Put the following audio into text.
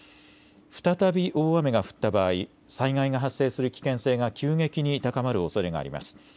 再び大雨が降った場合、災害が発生する危険性が急激に高まるおそれがあります。